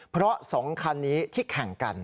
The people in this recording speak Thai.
เพราะ๒คันนี้ที่แข่งกัน